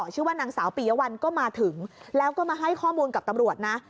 ชื่อว่านางสาวปียวัลก็มาถึงแล้วก็มาให้ข้อมูลกับตำรวจนะ